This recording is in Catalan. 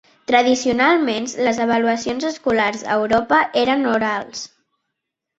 Tradicionalment, les avaluacions escolars a Europa eren orals.